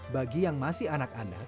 bagi yang masih anak anak